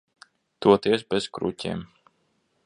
Toties bez kruķiem.